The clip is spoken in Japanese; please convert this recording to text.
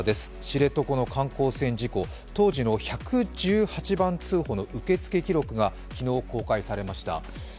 知床の観光船事故、当時の１１８番通報の受け付け記録が昨日公開されました。